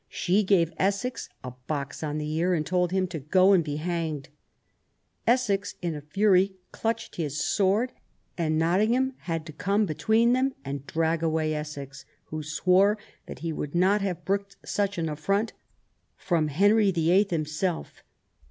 She gave Essex a box on the ear, and told him to go and be hanged *\ Essex, in a fury, clutched his 28o QUEEN ELIZABETH. sword, and Nottingham had to come between them and drag away Essex, who swore that he would not have brooked such an affront from Henrj' VIII. himself.